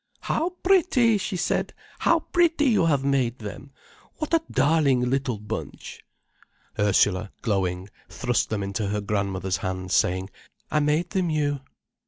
"How pretty!" she said. "How pretty you have made them! What a darling little bunch." Ursula, glowing, thrust them into her grandmother's hand, saying, "I made them you."